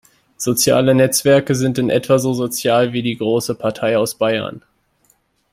Soziale Netzwerke sind in etwa so sozial wie die große Partei aus Bayern.